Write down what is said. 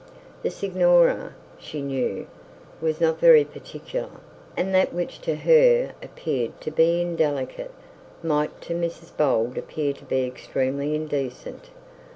The signora, she knew, was not very particular, and that which to her appeared to be indelicate might to Mrs Bold appear to be extremely indecent.